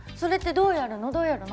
どうやるの？